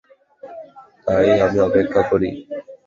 তাই, আমি অপেক্ষা করি।